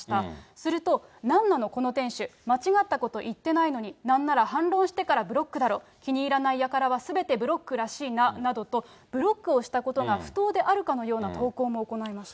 すると、なんなのこの店主、間違ったこと言ってないのに、なんなら反論してからブロックだろ、気に入らないやからはすべてブロックらしいななどと、ブロックをしたことが不当であるかのような投稿も行いました。